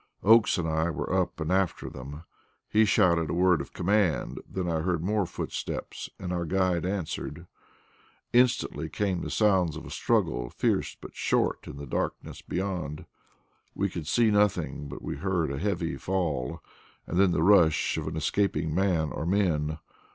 Oakes and I were up and after them. He shouted a word of command, then I heard more footsteps, and our guide answered. Instantly came the sounds of a struggle, fierce but short, in the darkness beyond. We could see nothing, but we heard a heavy fall, and then the rush of an escaping man, or men.